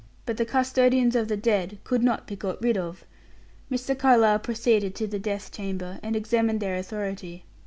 But the custodians of the dead could not be got rid of. Mr. Carlyle proceeded to the death chamber, and examined their authority.